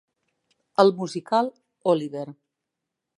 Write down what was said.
El musical Oliver!